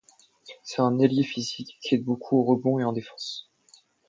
C'est un ailier physique, qui aide beaucoup au rebond et en défense.